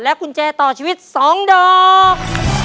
และกุญแจต่อชีวิตสองดอก